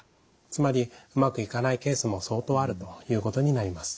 つまりうまくいかないケースも相当あるということになります。